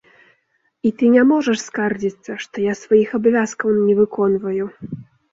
І ты не можаш скардзіцца, што я сваіх абавязкаў не выконваю.